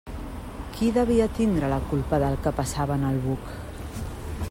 Qui devia tindre la culpa del que passava en el buc?